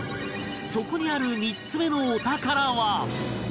そこにある３つ目のお宝は